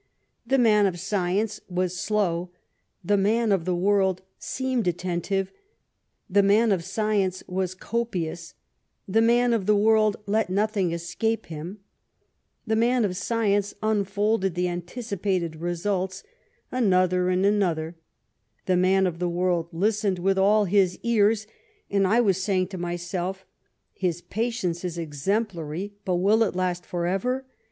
The man of science was slow, the man of the world seemed attentive ; the man of science was copious, the man of the world let nothing escape him ; the man of science unfolded the anticipated results — another and another; the man of the world listened with all his ears, and I was saying to myself, ^ His patience is exemplary, but will it last for ever?'